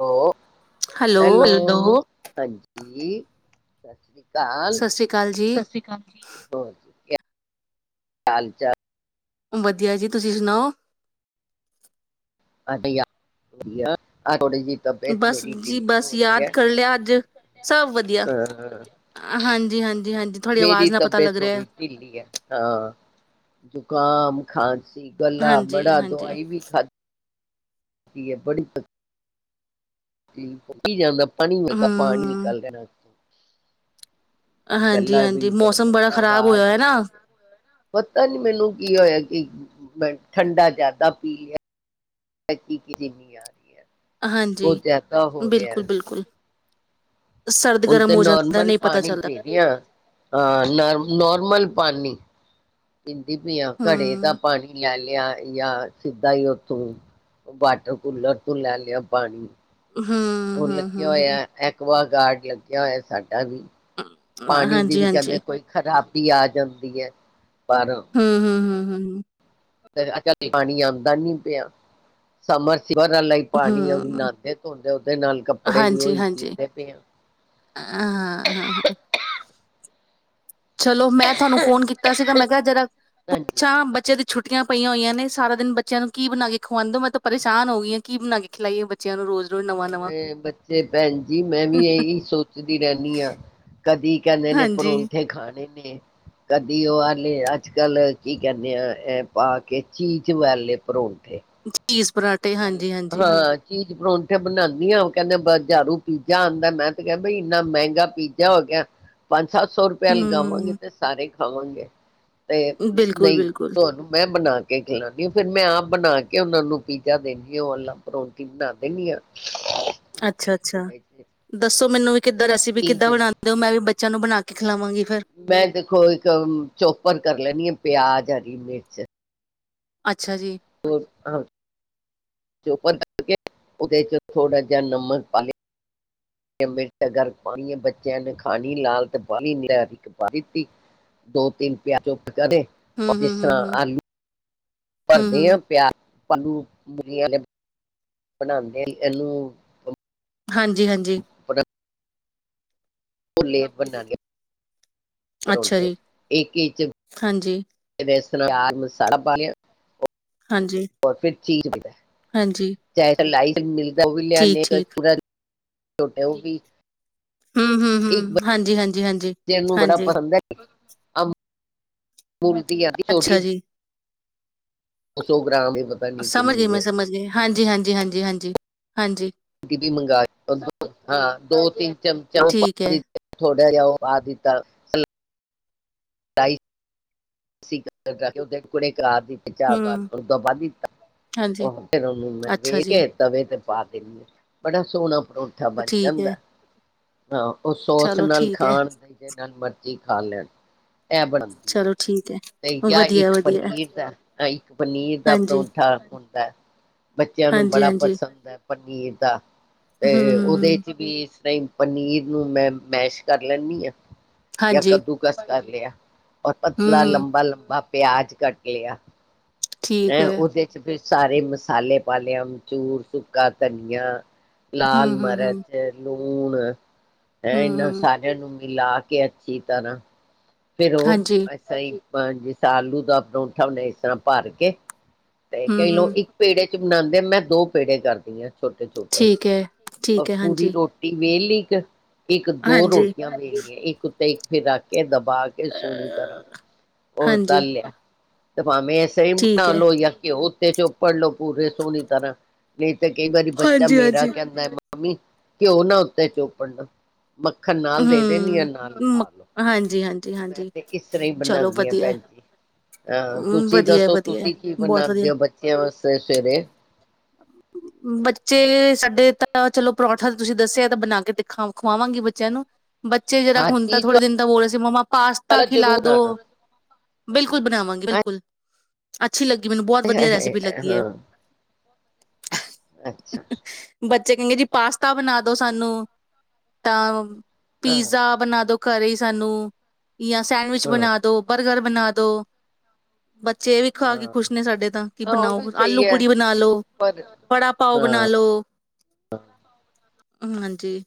ਹੋੋ, hello. ਹਾਂਜੀ਼ ਾਲ ਸਤਿ ਸ੍ਰੀ ਅਕਾਲ ਜੀ, ਸਤਿ ਸ੍ਰੀ ਅਕਾਲ ਜੀ ਹੋ। ਹਾਲ-ਚਾਲ। ਵਧੀਆ ਜੀ, ਤੁਸੀਂ ਸੁਣਾਓ? ਵਧੀਆ ਅੱ ਥੋੜੀ ਜਿਹੀ ਤਬੀਅਤ ਬਸ ਮੇਰੀ ਜੀ ਢਿੱਲੀ ਬਸ ਹੋ ਰਹੀ ਯਾਦ ਹੈ, ਕਰ ਲਿਆ ਅੱਜ, ਸਭ ਵਧੀਆ। ਹਾਂ ਹਾਂਜੀ, ਹਾਂਜੀ, ਹਾਂਜੀ ਤੁਹਾਡੀ ਮੇਰੀ ਆਵਾਜ਼ ਨਾਲ ਪਤਾ ਤਬੀਅਤ ਲੱਗ ਰਿਹਾ, ਥੋੜੀ ਢਿੱਲੀ ਹੈ। ਹਾਂ ਜ਼ੁਕਾਮ ਖਾ [unintelligible] ਹੈ। ਗੱਲਾ ਹਾਂਜੀ, ਬੜਾ ਹਾਂਜੀ। ਦਵਾਈ ਵੀ ਖਾਧੀ। ਕੀ ਬੜਤ [unintelligible] ਕੀ ਜਾਂਦਾ। ਪਣੀ ਮਿਲਗਾ ਪਾਣੀ ਹੂੰ, ਨਿਕਾਲ। ਹਾਂਜੀ, ਗਲਾਂ ਹਾਂਜੀ ਵੀ ਮੌਸਮ ਬੜਾ ਪਤਾ ਖ਼ਰਾਬ ਆਵਾਜ਼ ਹੋਇਆ ਹੈ ਨਾ। ਪਤਾ ਨੀ ਮੈਨੂੰ ਕੀ ਹੋਇਆ ਕਿ ਠੰਡਾ ਜ਼ਿਆਦਾ ਪੀ ਲਿਆ ਆ ਰਹੀ ਹੈ। ਹਾਂਜੀ, ਬਹੁਤ ਜ਼ਿਆਦਾ ਹੋ ਰਿਹਾ ਬਿਲਕੁਲ-ਬਿਲਕੁਲ। ਹੁਣ ਤੇ ਨੋਰਮਲ ਨਹੀਂ ਪਤਾ ਪਾਣੀ ਚੱਲਦਾ, ਪੀਦੇ ਆ, ਹਾਂ ਨਾਰ ਨੋਰਮਲ। ਪਾਨੀ ਘੜੇ ਦਾ ਹੂੰ। ਪਾਣੀ ਲੈ ਲਿਆ। ਲਿਆ ਜਾਂ ਸਿੱਧਾ ਹੀ ਉੱਥੋਂ ਵਾਟਰ ਕੂਲਰ ਤੋਂ ਲੈ ਲਿਆ ਪਾਣੀ। ਹੂੰ, ਉਹ ਹੂੰ, ਲੱਗਿਆ ਹੂੰ, ਹੂੰ ਹੋਇਆ ਇੱਕ ਵ ਗਾਰਡ ਲੱਗਿਆ ਹੋਇਆ ਸਾਡੇ। ਵੀ ਪਾਣੀ ਦੀ ਹਾਂਜੀ, ਵੀ ਹਾਂਜੀ, ਕਹਿੰਦੇ ਕੋਈ ਖਰਾਬ ਵੀ ਆ ਜਾਂਦੀ ਹੈ। ਪਰ ਹਮ, ਹਮ, ਹਮ। ਹਮ, ਹ। ਪਾਣੀ ਆਉਂਦਾ ਨੀ ਪਿਆ, ਸਮਰ। ਸਵਾ ਹੀ ਪਾਣੀ ਆ ਵੀ ਹੂੰ, ਨਾਂਦੇ ਧੋਂਦੇ ਉਹਦੇ ਨਾਲ ਕੱਪੜੇ ਵੀ ਹਾਂਜੀ, ਉਹੀ ਹਾਂਜੀ, ਪੀਂਦੇ ਪਏ ਆ। ਹਾਂ, ਹਾਂ, ਚਲੋ ਮੈਂ ਤੁਹਾਨੂੰ ਫੋਨ ਕੀਤਾ ਸੀਗਾ ਮੈਂ ਕਿਹਾ ਜਰਾ ਹਾਂਜੀ। ਪੁੱਛਾਂ ਬੱਚੇ ਦੀ ਛੁੱਟੀਆਂ ਪਈਆਂ ਹੋਈਆਂ ਨੇ ਸਾਰਾ ਦਿਨ ਬੱਚਿਆਂ ਨੂੰ ਕੀ ਬਣਾ ਕੇ ਖਿਵਾਂ ਦ ਹੋ ਮੈਂ ਤਾਂ ਪਰੇਸ਼ਾਨ ਹੋ ਗਈ ਹਾਂ ਕੀ ਬਣਾ ਕੇ ਖਿਲਾਈਏ ਬੱਚਿਆਂ ਨੂੰ ਰੋਜ਼ ਬੱਚੇ ਭੈਣ ਜੀ ਮੈਂ ਵੀ ਇਹੀ ਸੋਚਦੀ ਰਹਿੰਦੀ ਹਾਂ ਕਦੀ ਕਹਿੰਦੇ ਨੇ ਹਾਂਜੀ ਪਰੌਂਠੇ ਖਾਣੇ। ਕਦੀ ਉਹ ਵਾਲੇ ਅੱਜ ਕੱਲ ਕੀ ਕਹਿੰਦੇ ਆ ਇਹ ਪਾ ਕੇ ਚੀਜ਼ ਵਾਲਲੇ ਪਰ ਠੇ ਤਸ ਹਾਂ ਚੀਜ਼ ਪਰੌਠੇ ਬਣਾਉਂਦੀ ਆ ਕਹਿੰਦੇ ਹਝਾਰੂ ਪੀਜ਼ਾ ਆਉਂਦਾ ਮੈਂ ਤੇ ਕਿਹਾ ਬਈ ਇੰਨਾ ਮਹਿੰਗਾ ਪੀਜ਼ਾ ਹੋ ਗਿਆ ਪੰਜ ਸੱਤ ਸੌ ਰੁਪਇਆ ਲਗਾਵਾਂਗੇ ਹੂੰ ਤੇ ਸਾਰੇ। ਆਵਾਂਗੇ। ਨਹੀਂ ਬਿਲਕੁਲ-ਬਿਲਕੁਲ ਤੁਹਾਨੂੰ ਮੈਂ ਬਣਾ ਕੇ ਖਲਾਉਦੀ ਹਾਂ, ਫਿਰ ਮੈਂ ਆਪ ਬਣਾ ਕੇ ਉਹਨਾਂ ਨੂੰ ਦੇਣੀ ਆ ਉਹ ਪਰੋਂਟੀ ਬਣਾ ਦਿੰਦੀ ਹਾਂ। ਅੱਛਾ -ਅੱਛਾ ਉਹਦੇ ਦੱਸੋ ਮੈਨੂੰ ਵੀ ਕਿੱਦਾਂ ਰੈਸਪ ਠੀਕ ਕਿਦਾਂ ਹੈ ਬਣਾਉਂਦੇ ਮੈ ਵੀ ਬ ਬੱਚਾਂ ਨੂੰ ਬਣਾ ਕੇ ਖਿਲਾਵਾਂਗੇ। ਮੈਂ ਦੇਖੋ ਇੱਕ ਚੋਪਰ ਕਰ ਲੈਣੀ ਹ ਪਿਆਜ। ਜਾਰੀ ਮੇਟ ਚ ਅੱਛਾ ਜੀ ਹੋਰ ਆ ਉਹਦੇ ਚ ਥੋੜਾ ਜਿ ਨਮਕ ਪਾ ਲੈਣੀ ਪਾਣੀ ਬੱਚਿਆਂ ਨੇ ਖਾਣੀ ਲੈਣਾ ਤੇ ਦੋ ਤਿੰਨ ਪਿਆਜ ਕਦੇ ਜਿਸ ਤਰ੍ਹਾਂ ਹੂੰ-ਹੂੰ-ਹੂੰ-ਹੂੰ, ਆਲੂ ਭਰਦੇ ਹ ਹੂੰ-ਹੂੰ ਪਿਆਰ ਆਪਾਂ ਨੂੰ ਮਰੀ ਆਲੇ ਬਣਾਂਦੇ ਇਹਨੂੰ। ਹਾਂਜੀ ਹਾਂਜੀ। ਉਹ ਲੇ ਬੰਣਾ ਲਿਆ। ਅੱਛਾ ਜੀ [unintelligible] ਹਾਂਜੀ-ਹਾਂਜੀ, [unintelligible] ਰ ਫਿਰ ਚੀਜ਼ [unintelligible] ਪਨੇ ਹਾਂਜੀ [unintelligible] ਜਾ ਅ ਨੇਕ ਚ ਠੀਕ-ਠੀਕ [unintelligible] ਛੋਟੇ ਉਹ ਵੀ ਹੂੰ ਹੂੰ ਇੱਕ ਹੂੰ ਹਾਂਜੀ ਹਾਂਜੀ ਹਾਂਜੀ ਹਾਂਜੀ। ਆ ਬੋਲਦੀ ਆਦੀ ੋਟੀ ਅੱਛਾ [unintelligible] ਜੀ, ਸੌ ਗ੍ਰਾਮ ਏ। ਸਮਝ ਗਏ, ਮੈਂ ਸਮਝ ਗਈ ਹਾਂਜੀ। ਜੀ ਹਾਂਜੀ ਹਾਂਜੀ ਹਾਂਜੀ। ਮੰ ਹਾਂ [unintelligible] ਦੋ ਤਿੰਨ ਚਮਚਾ ਓ ਪਾ ਠੀਕ ਹੈ, ਕੇ ਆਦ ਤਾਂ [unintelligible] ਸਾਈ ਕੁੜੇ [unintelligible] ਚ ਦੀ ਤੇ ਚਾਰ ਹੂੰ, ਬਾਦਾ [unintelligible] ਵੱਧ ਦਿੱਤਾ ਹਾਂਜੀ, ਉਹ ਫਿਰ ਉਹਨੂੰ ਮੈਂ ਅੱਛਾ ਵੇਖ ਜੀ, ਕੇ ਤਵੇ ਤੇ ਪਾ ਦੇਣੀ ਆ ਬੜਾ ਸੋਨਾਂ ਪਰੋਠਾ ਬਣ ਠੀਕ ਹੈ, ਜਾਂਦਾ। ਹਾਂ ਉਹ ਸੋਸ ਚਲੋ ਨਾਲ ਠੀਕ ਹੈ, ਖਾਣ ਜਿਦੇ ਨਾਲ ਮਰਜ ਜੀ ਖਾ ਲੈਨ। ਚਲੋ ਠੀਕ। ਹੈ, ਯਾ ਇੱਕ ਵਧੀਆ-ਵਧੀਆ, ਪਨੀਰ ਦਾ ਇੱਕ ਪਨੀਰ ਦਾ ਹਾਂਜੀ, ਪਰੋਂਠਾ ਹੂਂ ਦਾ। ਬੱਚਿਆਂ ਨੂੰ ਬੜਾ ਹਾਂਜੀ-ਹਾਂਜੀ, ਪਸੰਦ ਐ। ਪਨੀਰ ਦਾ ਤੇ ਉਹਦੇ ਹੂੰ-ਹੂੰ, ਚ ਵੀ ਪਨੀਰ ਨੂੰ ਮੈਂ ਮੈਸ਼ ਕਰ ਲੈਨੀ ਆ। ਯਾ ਹਾਂਜੀ, ਕੱਦੂ ਕਸ ਕਰ ਲਿਆ ਹੋਰ [unintelligible] ਲਾ ਹੂੰ-ਹੂੰ, ਲੰਬਾ ਲੰਬਾ ਪਿਆਜ ਕੱਟ ਲਿਆ ਹੈ ਉਦੇ [unintelligible] ਸਾਰੇ ਮਸਾਲੇ ਪਾ ਲਿਓ ਅਮਚੂਰ ਸੁੱਕਾ ਧਨੀਆ ਲਾਲ ਹੂੰ-ਹੂੰ-ਹੂੰ, ਮਿਰਚ ਲੂਨ ਹੂਨ [unintelligible] ਹੈ ਇਹਨਾਂ ਹੂੰ-ਹੂੰ, ਸਾਰਿਆਂ ਨੂੰ ਮਿਲਾ ਕੇ ਅੱਛੀ ਤਰ੍ਹਾਂ ਫਿਰ ਉਹ ਹਾਂਜੀ, ਵੈਸਾ ਹੀ [unintelligible] ਜਿਦਾ ਆਲੂ ਦਾ ਪਰੋਂਂਠਾ ਓਨੂੰ ਇਦਾਂ ਭਰ ਕੇ ਤੇ ਕਈ [unintelligible] ਹੂੰ-ਹੂੰ, ਇੱਕ ਪੇੜੇ ਬਨਾਉਂਦੇ ਮੈਂ ਦੋ ਪੇੜੇ ਕਰਦੀ ਹਾਂ ਛੋਟੇ ਛੋਟੇ ਠੀਕ ਹੈ, ਅ ਠੀਕ ਹੈ, ਪੂਰੀ ਹਾਂਜੀ, ਰੋਟੀ ਵੇਲਲੀ ਕ ਇੱਕ ਦੋ ਹਾਂਜੀ, ਰੋਟੀਆਂ ਮਿਲ ਰਹੀਆਂ ਇੱਕ ਉਤੇ ਇਕ ਫਿਰਰੱਖ ਕੇ ਦੱਬ ਪਾ ਕੇ ਸੋਹਣੀ ਤਰ੍ਹਾਂ ਅ, ਉਹ ਤ ਹਾਂਜੀ, ਲਿਆ ਤੇ ਭਾਵੇਂ ਇਹ ਸੇਮ ਠੀਕ ਬਣਾ ਹੈ, ਲਓ ਜਾਂ ਘਿਓ ਤੇ ਚੋਪੜ ਲਓ ਪੂਰੇ ਸੋਹਣੀ ਤਰ੍ਹਾਂ ਨਹੀਂ ਤੇ ਕਈ ਵਾਰੀ ਬੱਚਾ ਮੇਰਾ ਹਾਂਜੀ-ਹਾਂਜੀ, ਕਹਿੰਦਾ ਮੰਮੀ ਘਿਉ ਨਾ ਉੱਤੇ ਚੋਪੜਨਾ ਮੱਖਣ ਨਾਲ ਦੇ ਦੇਨੀ ਆ ਹੂੰ, ਨਾਲ ਮ ਖਾ ਲਓ ਹਾਂਜੀ-ਹਾਂਜੀ, ਹਾਂਜੀ, ਮੈਂ ਹਾਂਜੀ, ਤੇ ਇਸ ਤਰ੍ਹਾਂ ਹੀ ਚਲੋ ਬਣਾਉਂਦੀ ਹਾਂ ਵਧੀਆ। ਭੈਣ ਜੀ ਹਾਂ ਤੁਸੀਂ ਵਧੀਆ ਹੈ, ਦੱਸੋ ਵਧੀਆ ਹੈ, ਤੁਸੀਂ ਕੀ ਬਹੁਤ ਬਣਾਉਂਦੇ ਵਧੀਆ ਹੋ ਬੱਚਿਆਂ ਵਾਸਤੇ ਸਵੇਰੇ ਬੱਚੇ ਸਾਡੇ ਤਾਂ ਚਲੋ ਪਰੌਠਾ ਤੁਸੀਂ ਦੱਸਿਆ ਤਾਂ ਬਣਾ ਕੇ ਦਿਖਾ ਖਵਾਵਾਂਗੀ ਬੱਚਿਆਂ ਨੂੰ ਬੱਚੇ ਜਿਹੜਾ ਹਾਂ ਹੁਣ ਤਾਂ ਚੀਜ਼ ਥੋੜੇ ਦਿਨ ਦਾ ਬੋਲ ਰਹੇ ਸੀ ਮੰਮਾ ਪਾਸਤਾ ਵਾਲਾ ਖਿਲਾ ਜ਼ਰੂਰ ਦੋ ਬਣਾਉਣਾ ਬਿਲਕੁਲ ਬਣਾਵਾਂਗੇ ਬਿਲਕੁਲ ਅੱਛੀ ਲੱਗੀ ਮੈਨੂੰ ਬਹੁਤ ਵਧੀਆ ਰੈਸਪੀ ਲੱਗੀ ਹੈ ਹਾਂ ਅੱਛਾ ਚੰਗੇ ਜੀ ਪਾਸ ਤਾ ਬਣਾ ਦੋ ਸਾਨੂੰ ਤਾਂ ਹਾਂ ਪੀਜ਼ਾ ਬਣਾ ਦੋ ਘਰੇ ਈ ਸਾਨੂੰ। ਜਾਂ ਸੈਂਡਵਿਚ ਹਾਂ ਬਣਾ ਦੋ ਬਰਗਰ ਬਣਾ ਦੋ ਬੱਚੇ ਇਹ ਵੀ ਖਾ ਕੇ ਹਾਂ ਖੁਸ਼ ਨੇ ਸਾਡੇ ਤਾਂ ਕਿ ਹਾਂ ਉਹ ਵੀ ਬਣਾਓ ਆਲੂ ਸਹੀ ਹੈ ਪੂੜੀ ਬਣਾ ਲਓ। ਪਰ ਵੜਾ ਪਾਓ ਬਣਾ ਲੋ। ਹਾਂਜੀ।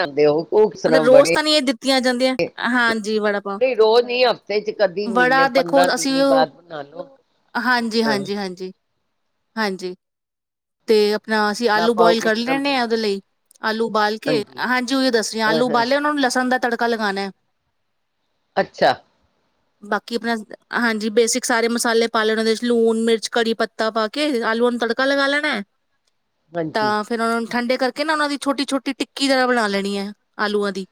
ਜਾਂਦੇ ਉਹ। ਕਿਸ ਤਰ੍ਹਾਂ ਮਤਲਬ ਰੋਸ ਬੜੇ ਤਾਂ ਨਹੀਂ ਇਹ ਦਿੱਤੀਆਂ ਜਾਂਦੀਆਂ ਹਾਂਜੀ, ਵੜਾ ਪਾਓ, ਨਹੀਂ ਰੋਜ਼ ਨਹੀਂ ਹਫ਼ਤੇ ਚ ਕਦੀ ਮਹੀਨੇ ਵੜਾ ਦੇਖੋ ਪੰਦਰਾਂ ਅਸੀਂ ਦਿਨੀ ਉਹ ਬਾਅਦ ਬਣਾ ਲੋ ਹਾਂਜੀ, ਹਾਂਜੀ, ਹਾਂਜੀ। ਹਾਂਜੀ ਤੇ। ਨਾ ਅਸੀਂ ਲਾ ਆਲੂ ਪਾਓ ਬੋਇਲ ਕਿਸ ਕਰ ਤਰ੍ਹਾਂ ਲੈਣੇ ਹਾਂ ਉਹਦੇ ਲਈ ਆਲੂ ਉਬਾਲ ਕੇ ਹਾਂਜੀ ਉ ਦੱਸ ਹਾਂ ਆਲੂ ਹਾਂ ਬਾਲੇ ਉਹਨਾਂ ਨੂੰ ਲਸਣ। ਦਾ ਤੜਕਾ ਲਗਾਉਣਾ। ਅੱਛਾ। ਬਾਕੀ ਆਪਣਾ ਹਾਂਜੀ ਬੇਸਿਕ ਸਾਰੇ ਮਸਾਲੇ ਪਾ ਲੈਣੇ ਉਹਦੇ ਚ ਲੂਣ ਮਿਰਚ ਕੜੀ ਪੱਤਾ ਪਾ ਕੇ ਆਲੂਆਂ ਨੂੰ ਤੜਕਾ ਲਗਾ ਲੈਣਾ ਹੈ। ਹਾਂਜੀ ਤਾਂ ਫਿਰ ਉਹਨਾਂ ਨੂੰ। ਠੰਡੇ ਕਰਕੇ ਨਾ ਉਹਨਾ ਦੀ ਛੋਟੀ- ਛੋਟੀ ਟਿੱਕੀ ਜਰਾ ਬਣਾ ਲੈਣੀ ਹੈ। ਆਲੂਆਂ ਦੀ।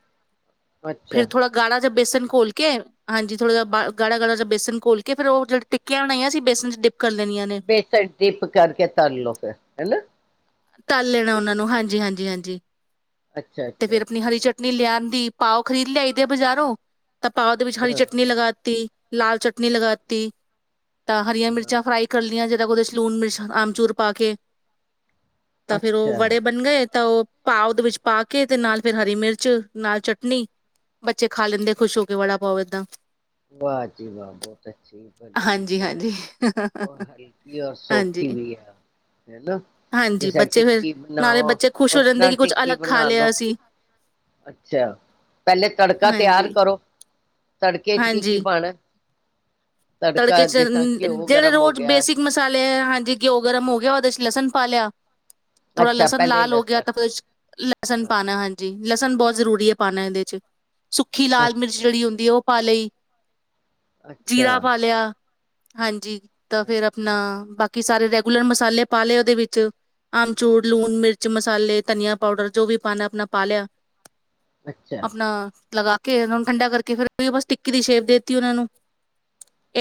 ਫਿਰ ਅੱਛਾ ਥੋੜਾ ਗਾੜਾ ਬੇਸਨ ਘੋਲ ਕੇ ਹਾਂਜੀ, ਥੋੜਾ ਗਾੜਾ-ਗਾੜਾ ਜਾ ਬੇਸਨ ਘੋਲ ਕੇ ਫਿਰ ਉਹ ਜਹੜਿਆ ਟਿੱਕੀਆਂ ਬਣਾਈਆਂ ਸੀ ਬੇਸਨ ਚ ਡਿ ਬੇਸਣ ਡਿਪ ਕਰਕੇ ਤਰਲੋ ਫਿਰ ਹਨਾ। ਤੱਲ ਲੈਣਾ ਉਹਨਾਂ ਨੂੰ ਹਾਂਜੀ, ਹਾਂਜੀ, ਹਾਂਜੀ ਅੱਛਾ ਤੇ ਅੱਛਾ ਫਿਰ ਆਪਣੀ ਹਰੀ ਅੱਛਾ ਚਟਨੀ ਲਿਆਉਣ ਦੀ। ਪਾਓ ਖਰੀਦ ਲਿਆਈ ਦੇ ਬਜ਼ਾਰੋਂ। ਤਾਂ ਭਓਦੇ ਵਿੱਚ ਹਰੀ ਚਟਨੀ ਲਗਾਤੀ। ਲਾਲ ਚਟਨੀ ਲਗਾਤੀ ਤਾਂ ਹਰੀਆਂ ਹਾਂ ਮਿਰਚਾਂ ਫਰਾਈ ਕਰ ਲਈਆਂ ਦੇ ਲੂਨ ਮਿਰਚਾਂ ਆਮਚੂਰ ਪਾ ਕੇ ਤਾਂ ਫਿਰ ਉਹ ਅੱਛਾ ਵੜੇ ਬਣ ਗਏ ਤਾਂ ਉਹ ਪਾ ਉਹਦੇ ਵਿੱਚ ਪਾ ਕੇ ਤੇ ਨਾਲ ਫਿਰ ਹਰੀ ਮਿਰਚ ਨਾਲ ਚਟਨੀ ਬੱਚੇ ਖਾ ਲੈਂਦੇ ਖੁਸ਼ ਹੋ ਕੇ ਵੜਾ ਪਾਓ ਏਦਾਂ ਵਾਹ ਜੀ ਵਾਹ ਬਹੁਤ ਅੱਛੀ ਬ ਚੀਜ਼ ਹਾਂਜੀ ਬਣਾਈ ਹਾਂਜੀ ਰ ਹਲਕੀ ਔਰ ਹਾਂਜੀ ਸੌਖੀ ਵੀ ਹੈ ਹਨਾ ਹਾਂਜੀ ਜੇ ਬੱਚੇ ਫੇਰ ਟਿੱਕੀ ਨਾਲੇ ਬਣਾਓ ਬੱਚੇ ਖੁਸ਼ ਹੋ ਉਸ ਜਾਂਦੇ ਤਰ੍ਹਾਂ ਕਿ ਕੁੱਝ ਟਿੱਕੀ ਅਲੱਗ ਖਾ ਬਣਾ ਲੋ ਲਿਆ ਅਸੀਂ ਅੱਛਾ ਪਹਿਲੇ ਤੜਕਾ ਤਿਆਰ ਹਾਂਜੀ ਕਰੋ ਤੜ ਚ ਕੀ- ਕੀ ਹਾਂਜੀ ਪਾਣਾ? ਤੜਕੇ ਤੜਕਾ ਚ ਜਿਸ ਤਰ੍ਹਾਂ ਘਿਓ ਜਿਹੜੇ ਗਰਮ ਹੋ ਰੋਜ਼ ਗਿਆ ਹੈ। ਬੇਸਿਕ ਮਸਾਲੇ ਹੈ ਹਾਂਜੀ ਘਿਉ ਗਰਮ ਹੋ ਗਿਆ ਉਹਦੇ ਚ ਲਸਣ ਪਾ ਲਿਆ ਥੋੜਾ ਅੱਛਾ ਲਸਣ ਪਹਿਲੇ ਲਾਲ ਹੋ ਗਿਆ ਲਸਣ ਤਾਂ ਫ ਲਸਣ ਹਾਂ, ਪਾਣਾ ਹਾਂਜੀ ਲਸਣ ਬਹੁਤ ਜ਼ਰੂਰੀ ਹੈ ਪਾਉਣਾ ਇਹਦੇ ਚ ਸੁੱਖੀ ਲਾਲ ਮਿਰਚ ਅੱਛਾ ਜਿਹੜੀ ਹੁੰਦੀ ਹੈ ਉਹ ਪਾ ਲਈ ਅੱਛਾ ਜੀਰਾ ਪਾ ਲਿਆ ਹਾਂਜੀ ਤਾਂ ਹਾਂ, ਫੇਰ ਆਪਣਾ ਹਾਂ, ਬਾਕੀ ਸਾਰੇ ਰੇਕ ਰੈਗੂਲਰ ਮਸਾਲੇ ਪਾ ਲਏ ਉਹਦੇ ਵਿੱਚ ਆਮਚੂੂਰ ਲੂਣ ਮਿਰਚ ਮਸਾਲੇ ਧਨੀਆ ਪਾਊਡਰ ਜੋ ਵੀ ਪਾਣਾ ਆਪਣਾ ਪਾ ਲਿਆ ਅੱਛਾ ਆਪਣਾ ਲਾ ਕੇ ਉਹ ਨੂੰ ਠੰਡਾ ਕਰਕੇ, ਫਿਰ ਬਸ ਟਿੱਕੀ ਦੀ ਸ਼ੇਪ ਦੇ ਦਿੱਤੀ ਉਹਨਾਂ ਨੂੰ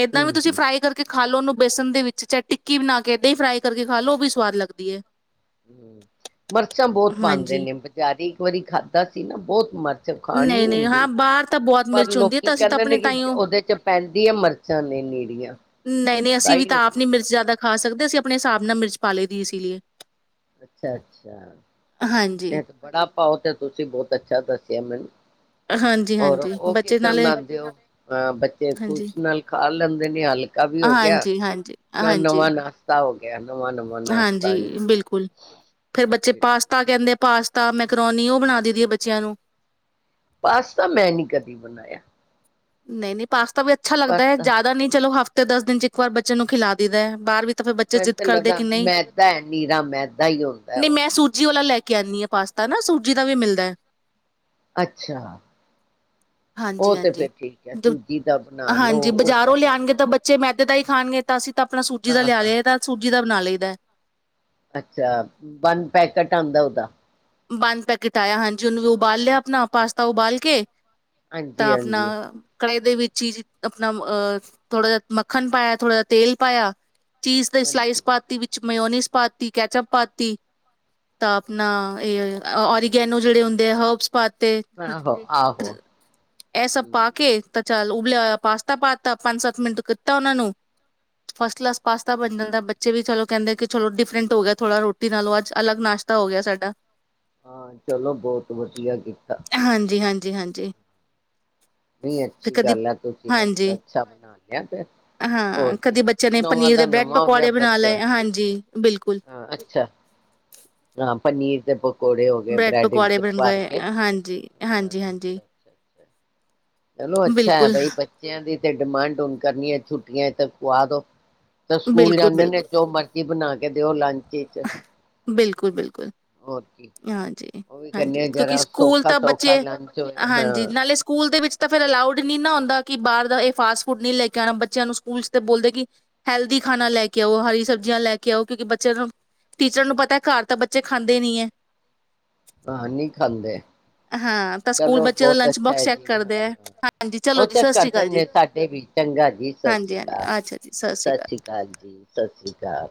ਏਦਾਂ ਵੀ ਤੁਸੀਂ ਹੂੰ ਫਰਾਈ ਕਰਕੇ ਖਾ ਲਓ ਉਹਨੂੰ ਬੇਸਨ ਦੇ ਵਿੱਚ ਚਾਹੇ ਟਿੱਕੀ ਬਣਾ ਕੇ ਏਦਾਂ ਹੀ ਫਰਾਈ ਕਰਕੇ ਖਾ ਲ ਲੋ ਉਹ ਵੀ ਸਵਾਦ ਲੱਗਦੀ ਹੈ ਹ ਮਿਰਚਾਂ ਬਹੁਤ ਪਾਉਂਦੇ ਹਾਂਜੀ ਨੇ ਬਜ਼ਾਰੀ ਇੱਕ ਵਾਰੀ ਖਾਧਾ ਸੀ ਨਾ ਬਹੁਤ ਮਿਰਚ ਖਾਣ ਨਹੀਂ ਨੀ ਨਹੀਂ ਹੁੰਦੀ ਹਾਂ ਬਾਹਰ ਤਾਂ ਬਹੁਤ ਪਰ ਮਿਰਚ ਹੁੰਦੀ ਹੈ ਲੋਕੀ ਤਾਂ ਅਸੀਂ ਤਾਂ ਕਹਿੰਦੇ ਆਪਣੇ ਨੇ ਕਿ ਤਾਈਓ ਉਹਦੇ ਚ ਪੈਂਦੀ ਹੈ ਮਿਰਚ ਨਹੀਂ ਨਹੀਂ ਅਸੀਂ ਵੀ ਤਾਂ ਆਪ ਨੀ ਲੋਕੀ ਮਿਰਚ ਖਾਂਦੇ ਜ਼ਿਆਦਾ ਖਾ ਸਕਦੇ ਅਸੀਂ ਆਪਣੇ ਹਿਸਾਬ ਨਾਲ ਮਿਰਚ ਪਾ ਲਤੀ ਇਸ ਲਈਏ ਅੱਛਾ ਅੱਛਾ ਹਾਂਜੀ ਇਹ ਵੜਾ ਪਾਓ ਤੇ ਤੁਸੀਂ ਬਹੁਤ ਅੱਛਾ ਦੱਸਿਆ ਮੈਨੂੰ ਹਾਂਜੀ ਹੋਰ ਹਾਂਜੀ ਉਹ ਬੱਚੇ ਕਿਸਰ ਤਰਾ ਨਾਲੇ ਬਣਾਂਦੇ ਹੋ, ਬੱਚੇ ਹਾਂਜੀ ਖੁਸ਼ ਨਾਲ ਖਾ ਲੈਂਦੇ ਨੇ ਹਲਕਾ ਵੀ ਹੋ ਗਿਆ ਹਾਂਜੀ ਹਾਂਜੀ ਨਾ ਨਵਾਂ ਹਾਂਜੀ ਨਾਸ਼ਤਾ ਹੋ ਗਿਆ ਗਿਆ ਹਾਂਜੀ ਬਿਲਕੁਲ ਫੇਿਰ ਬੱਚੇ ਬਿਲਕੁਲ ਪਾਸਤਾ ਠੀਕ ਕਹਿੰਦੇ ਪਾਸਤਾ ਮੈਕਰੋਨੀ ਉਹ ਬਣਾ ਦੇਦੀ ਹੈ ਬੱਚਿਆਂ ਨੂੰ ਪਾਸਤਾ ਮੈਂ ਨ ਕਦੀ ਬਣਾਇਆ ਨਹੀਂ ਨਹੀਂ ਪਾਸ ਤਾ ਵੀ ਅੱਛਾ ਲੱਗਦਾ ਹੈ ਪਾਸਤਾ ਜ਼ਿਆਦਾ ਨਹੀਂ ਚਲੋ ਹਫਤੇ ਤੇ ਦਸ ਦਿਨ ਚ ਇੱਕ ਵਾਰ ਬੱਚਨ ਨੂੰ ਖਿਲਾ ਦਦਾ ਹੈ ਬਾਹਰ ਵਿੱਚ ਮੈਨੂੰ ਤਾਂ ਲੱਗਦਾ ਮੈਦਾ ਹੈ ਨੀਰਾ ਮੈਦਾ ਹੀ ਹੁੰਦਾ ਉਹ ਨੀ ਪਾਸਤਾ ਨਾ ਸੂਜੀ ਦਾ ਵੀ ਮਿਲਦਾ ਹੈ ਅੱਛਾ ਹਾਂਜੀ ਉਹ ਤੇ ਹਾਂਜੀ ਫੇਿਰ ਠੀਕ ਹੈ ਜ ਸੂਜੀ ਦਾ ਬਣਾ ਲੋ ਹਾਂਜੀ ਉਹ ਬਾਜ਼ਾਰੋਂ ਜ਼ਿਆਦਾ ਲਿਆਉਣਗੇ ਅੱਛਾ ਤਾਂ ਬੱਚੇ ਮੈਂ ਦੇ ਖਾਣਗੇਤਾ ਅਸੀ ਆਪਣਾ ਸੂਜੀ ਦਾ ਹਾਂ ਲਿਆ ਹਾਂ ਲਿਆਏ ਤਾਂ ਸੂਜੀ ਦਾ ਬਣਾ ਲਏ ਦਾ ਅੱਛਾ ਬੰਦ ਪੈਕੇਟ ਆਉਂਦਾ ਉਹਦਾ। ਬੰਦ ਪੈਕੇਟ ਆਇਆ ਹਾਂਜੀ, ਉਹਨੂੰ ਵੀ ਉਬਾਲ ਲਿਆ ਆਪਣਾ ਪਾਸਤਾ ਉਬਾਲ ਕੇ ਤਾਂ ਹਾਂਜੀ ਹਾਂਜੀ ਆਪਣਾ ਕੜੇ ਦੇ ਵੀ ਚੀਜ਼ ਆਪਣਾ ਅਹ ਥੋੜਾ ਜਿਹਾ ਮੱਖਣ ਪਾਇਆ ਥੋੜਾ ਜ ਤੇਲ ਪਾਇਆ। ਚੀਜ਼ ਹਾਂਜੀ ਸਲਾਈਸਪਾਤੀ ਵਿੱਚ ਮਓਨੀਸ ਪਾਤੀ, ਕੈਚਪ ਪਾਤੀ ਤਾਂ ਆਪਣਾ ਇਹ ਓਰੀਗੈਨੋ ਜਿਹੜੇ ਹੁੰਦੇ ਆ ਹਰਬਸ ਪਾਤੇ ਆਹੋ ਆਹੋ ਇਹ ਸਭ ਹਮ ਪਾ ਕੇ ਚੱਲ ਉਬਲਿਆਇਆ ਪਾਸਤਾ ਪਾਤਾ ਪੰਜ ਸੱਤ ਮਿੰਟ ਕੀਤਾ ਉਹਨਾਂ ਨੂੰ ਫਸਟ ਕਲਾਸ ਪਾਸਤਾ ਬਣ ਜਾਂਦਾ ਬੱਚੇ ਵੀ ਚਲੋ ਕਹਿੰਦੇ ਚਲੋ ਡਿਫਰੈਂਟ ਹੋ ਗਿਆ ਥੋੜ੍ਹਾ ਰੋਟੀ ਨਾਲੋਂ ਅੱਜ ਅਲੱਗ ਨਾਸ਼ਤਾ ਹੋ ਗਿਆ ਸਾਡਾ। ਹਾਂ ਚਲੋ ਬਹੁਤ ਵਧੀਆ ਕੀਤਾ‌। ਹਾਂਜੀ ਹਾਂਜੀ -ਹਾਂਜੀ। ਨਹੀਂ ਤੇ ਅੱਛੀ ਕਦੀ ਗੱਲ ਹੈ ਤੁਸੀਂ ਇੱਕ ਹਾਂਜੀ ਅੱਛਾ ਬਣਾ ਲਿਆ ਫਿਰ ਹੋਰ ਹਾਂ ਕੀ ਕਦੀ ਬੱਚੇ ਨੇ ਨਵਾਂ ਪਨੀਰ ਦਾ ਦੇ ਬ੍ਰੈਡ ਨਵਾਂ ਹੋ ਗਿਆ ਪਕੌੜੇ ਬਣਾ ਬੱਚਾ ਲਏ ਹਾਂਜੀ ਬਿਲਕੁਲ ਹਾਂ ਅੱਛਾ ਹਾਂ ਪਨੀਰ ਜਹੁ ਬ੍ਰੈਡ ਪਕੌੜੇ ਬਣ ਗਏ ਹਾਂਜੀ, ਹਾਂ ਹਾਂਜੀ, ਹਾਂਜੀ। ਅੱਛਾ ਅੱਛਾ ਅੱਛਾ ਚਲੋ ਅੱਛਾ ਹੈ ਬਿਲਕੁਲ ਬਾਈ ਬੱਚਿਆਂ ਦੀ ਤੇ ਡਿਮਾਂਡ ਹੁਣ ਕਰਨੀ ਹੈ ਛੁੱਟੀਆਂ। ਕਹ ਤੋਂ ਤਾਂ ਸਕੂਲ ਬਿਲਕੁਲ ਜਾਂਦੇ ਨੇ ਬਿਲਕੁਲ ਜੋ ਉਹ ਮਰਜ਼ੀ ਬਣਾ ਕੇ ਤੇ ਉਹ ਲੰਚ ਚ ਬਿਲਕੁਲ- ਬਿਲਕੁਲ। ਹੋਰ ਕੀ ਹਾਂਜੀ ਉਹ ਵੀ -ਹਾਂਜੀ, ਕਹਿੰਦੇ ਕਿਉਂਕਿ ਜਰਾ ਸਕੂਲ ਸੌਖਾ ਤਾਂ ਸੌਖਾ ਬੱਚੇ ਲੰਚ ਹੋਏ ਹਾਂ ਹਾਂਜੀ ਨਾਲੇ ਸਕੂਲ ਦੇ ਵਿੱਚ। ਤਾਂ ਫਿਰ ਅਲਾਊਡ ਨ ਨਾ ਹੁੰਦਾ ਕਿ ਬਾਹਰ ਦਾ ਇਹ ਫਾਸਟ ਫੂਡ ਨੀ ਲੈ ਕੇ ਆਉਣਾ ਬੱਚਿਆਂ ਨੂੰ ਸਕੂਲ ਤੇ ਬੋਲਦੇ ਕਿ ਹੈਲਦੀ ਖਾਣਾ ਲੈ ਕੇ ਆਓ ਹਰੀ ਸਬਜ਼ੀਆਂ ਲੈ ਕੇ ਆਓ ਕਿਉਂਕਿ ਬੱਚਿਆਂ ਨੂੰ ਟੀਚਰਾਂ ਨੂੰ ਪਤਾ ਘਰ ਤਾਂ ਬੱਚੇ ਖਾਂਦੇ ਨਹੀਂ ਹੈ। ਹਾਂ ਨੀ ਖਾਂਦੇ ਹਾਂ ਤਾਂ ਸਕੂਲ ਚਲੋ ਬੱਚੇ ਦਾ ਬਹੁਤ ਲੰਚ ਅੱਛਾ ਬੋਕਸ ਹੈ ਚੈੱਕ ਜੀ ਕਰਦੇ ਹੈ ਹਾਂ ਹਾਂਜੀ ਚਲੋ ਉਹ ਜੀ ਚੱਕ ਸਤਿ ਸ੍ਰੀ ਕਰ ਅਕਾਲ ਜੀ ਦਦੇ ਸਾਡੇ ਵੀ ਚੰਗਾ ਜੀ ਸਤਿ ਸ੍ਰੀ ਹਾਂਜੀ ਹਾਂਜੀ ਅਕਾਲ ਅੱਛਾ ਜੀ ਸਤਿ ਸ੍ਰੀ ਅਕਾਲ ਜੀ ਸਤਿ ਸ੍ਰੀ ਅਕਾਲ